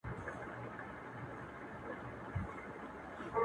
• د تعویذ اغېز تر لنډي زمانې وي ,